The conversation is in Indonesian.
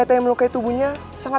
itu dia orangnya